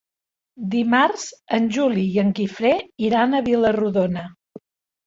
Dimarts en Juli i en Guifré iran a Vila-rodona.